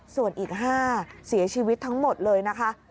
ส่วนอีก๕เสียชีวิตทั้งหมดเลยนะคะ